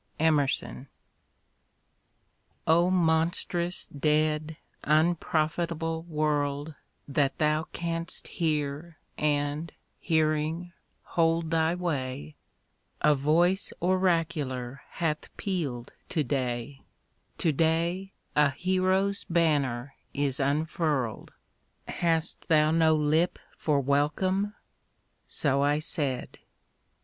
EMERSON O monstrous dead, unprofitable world That thou canst hear and, hearing, hold thy way^ A voice oracular hath peal'd to day ; To day a hero's banner is unfurl'd I Hast thou no lip for welcome ?— So I said.